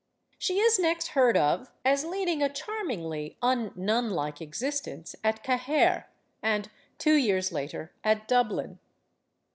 She is next heard of as leading a charmingly un nun like existence at Cahair, and, two years later, at Dub lin.